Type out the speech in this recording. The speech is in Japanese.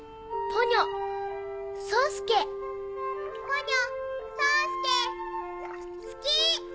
ポニョ宗介好き！